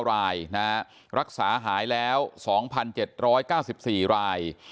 รายนะฮะรักษาหายแล้วสองพันเจ็ดร้อยเก้าสิบสี่ราย